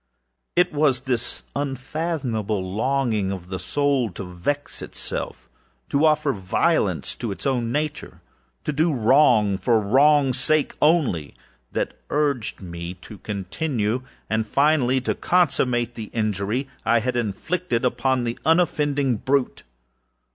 It was this unfathomable longing of the soul _to vex itself_âto offer violence to its own natureâto do wrong for the wrongâs sake onlyâthat urged me to continue and finally to consummate the injury I had inflicted upon the unoffending brute.